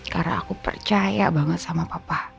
karena aku percaya banget sama papa